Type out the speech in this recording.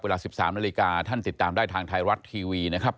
เวลา๑๓นาฬิกาท่านติดตามได้ทางไทยรัฐทีวีนะครับ